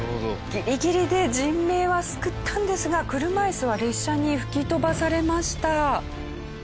ギリギリで人命は救ったんですが車イスは列車に吹き飛ばされました。